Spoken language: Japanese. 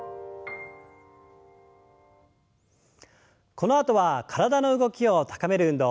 このあとは体の動きを高める運動。